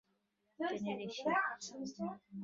তিনি ঋষি অরবিন্দ ঘোষের বাংলার শিক্ষক ছিলেন।